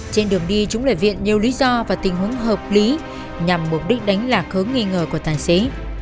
trên đường đi chúng lại viện nhiều lý do và tình huống hợp lý nhằm mục đích đánh lạc hướng nghi ngờ của tài xế